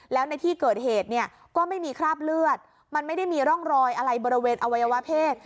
แล้วในที่เกิดเหตุเนี่ยก็ไม่มีคราบเลือดมันไม่ได้มีร่องรอยอะไรบริเวณอวัยวะเพศ